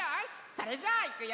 それじゃあいくよ！